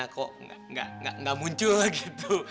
kok nggak muncul gitu